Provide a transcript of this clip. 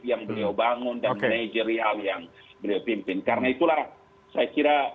yang beliau bangun dan manajerial yang beliau pimpin karena itulah saya kira